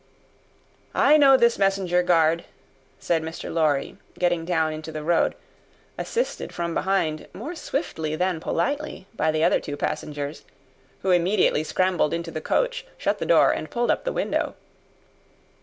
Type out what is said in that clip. "I know this messenger, guard," said Mr. Lorry, getting down into the road assisted from behind more swiftly than politely by the other two passengers, who immediately scrambled into the coach, shut the door, and pulled up the window.